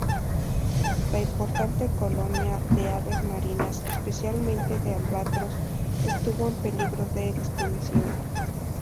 La importante colonia de aves marinas, especialmente de albatros, estuvo en peligro de extinción.